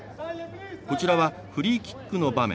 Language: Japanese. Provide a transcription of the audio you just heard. こちらはフリーキックの場面。